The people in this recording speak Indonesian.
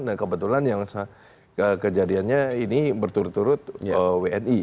nah kebetulan yang kejadiannya ini berturut turut wni